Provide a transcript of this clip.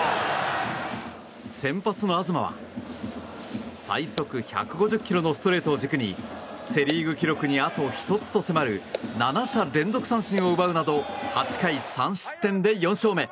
先発の東は最速１５０キロのストレートを軸にセ・リーグ記録にあと１つと迫る７者連続三振を奪うなど８回３失点で４勝目。